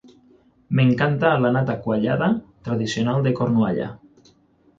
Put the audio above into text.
M'encanta la nata quallada tradicional de Cornualla